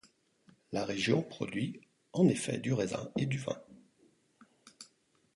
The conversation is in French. La région produit en effet du raisin et du vin.